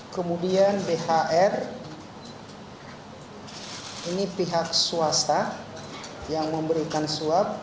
kemudian bhr ini pihak swasta yang memberikan suap